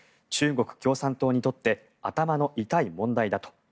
中国共産党にとって頭の痛い問題だと。